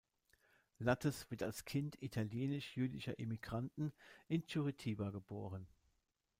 Lattes wurde als Kind italienisch-jüdischer Immigranten in Curitiba geboren.